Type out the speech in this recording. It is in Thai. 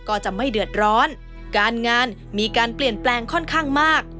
ก็จะไม่เดือดร้อนการงานมีการเปลี่ยนแปลงค่อนข้างมาก